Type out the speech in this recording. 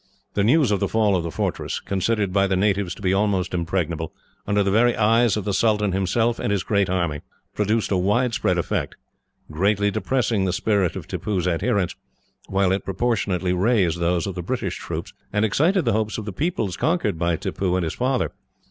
The news of the fall of the fortress, considered by the natives to be almost impregnable, under the very eyes of the sultan himself and his great army, produced a widespread effect; greatly depressing the spirit of Tippoo's adherents, while it proportionately raised those of the British troops, and excited the hopes of the peoples conquered by Tippoo and his father.